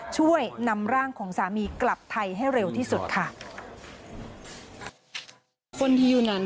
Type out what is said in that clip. ช่วยนำร่างของสามีกลับไทยให้เร็วที่สุดค่ะ